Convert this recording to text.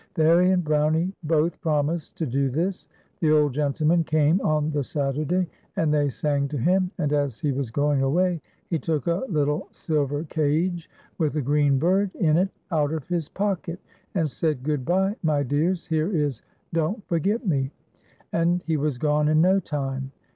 Fairie and Brownie both promised to do this. The old gentleman came on the Saturday, and they sang to him, and as he was going away, he took a little silver cage with a green bird in it out of his pocket, and said :" Good bye, my dears, here is ' Don't Forget Me.' " And he was gone in no time.